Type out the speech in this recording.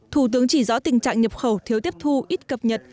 thủ tướng chỉ rõ tình trạng nhập khẩu thiếu tiếp thu ít cập nhật